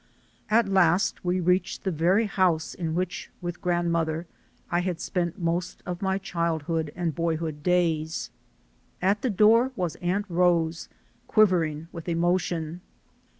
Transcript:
At last we reached the very house in which, with grandmother, I had spent most of my childhood and boyhood days. At the door was Aunt Rose, quivering with emotion.